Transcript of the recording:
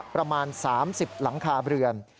ประมาณ๓๐หลังคาเรือน